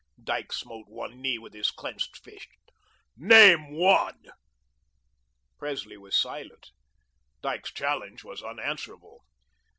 Dyke smote his knee with his clenched fist. "NAME ONE." Presley was silent. Dyke's challenge was unanswerable.